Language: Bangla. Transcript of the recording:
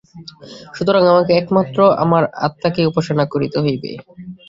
সুতরাং আমাকে একমাত্র আমার আত্মাকেই উপাসনা করিতে হইবে।